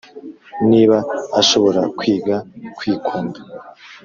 niba ashobora kwiga kwikunda